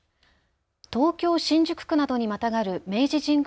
東京新宿区などにまたがる明治神宮